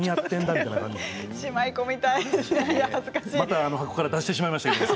また箱から出してしまいましたけど。